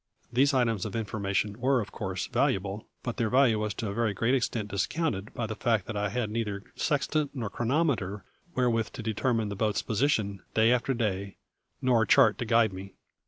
These items of information were of course valuable; but their value was to a very great extent discounted by the fact that I had neither sextant nor chronometer wherewith to determine the boat's position, day after day, nor a chart to guide me.